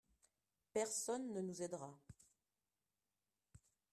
Personne ne nous aidera.